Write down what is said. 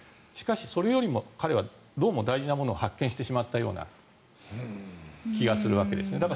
しかし、それよりも彼はどうも大事なものを発見してしまったような気がするわけですね。